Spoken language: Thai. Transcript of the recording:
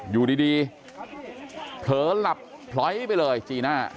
อยู่ดีเผลอหลับพลอยไปเลยจีน่า